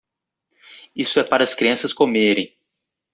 Isto é para as crianças comerem.